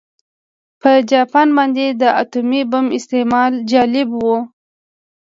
په جاپان باندې د اتومي بم استعمال جالب و